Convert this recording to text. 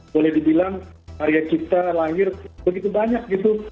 boleh dibilang karya cipta lahir begitu banyak gitu